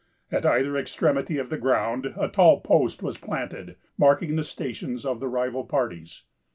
At either extremity of the ground, a tall post was planted, marking the stations of the rival parties.